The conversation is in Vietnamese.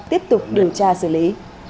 tiếp tục điều tra xử lý